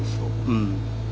うん。